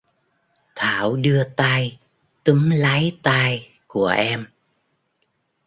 thảo đưa tay túm láy tay của em